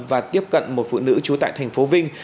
và tiếp cận một phụ nữ trú tại thành phố vinh